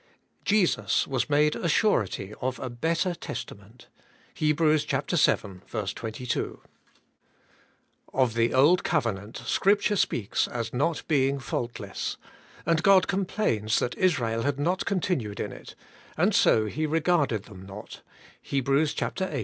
'Jesus was made a surety of a better testament. '—Heb. vii. 22. OF the Old Covenant Scripture speaks as not being faultless, and God complains that Israel had not continued in it; and so He regarded them not {Hei.